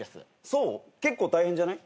そう結構大変じゃない？